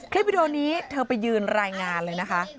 วิดีโอนี้เธอไปยืนรายงานเลยนะคะ